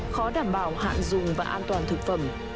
khó đảm bảo hạn dùng và an toàn thực phẩm